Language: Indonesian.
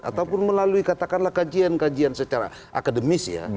ataupun melalui katakanlah kajian kajian secara akademis ya